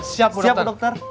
siap bu dokter